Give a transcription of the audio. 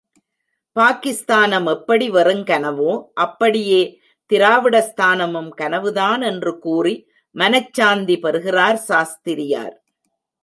பாகிஸ்தானம் எப்படி வெறுங்கனவோ, அப்படியே திராவிடஸ்தானமும் கனவுதான் என்று கூறி, மனச் சாந்தி பெறுகிறார் சாஸ்திரியார்.